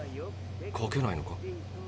かけないのか？